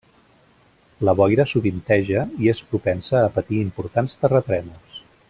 La boira sovinteja i és propensa a patir importants terratrèmols.